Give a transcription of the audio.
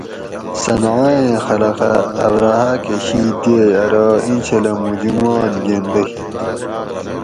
صنعائیں خلقہ ابرھہ کہ شِید دیئے ارو اینچھلہ مُو جمات گۤندہ ہِیت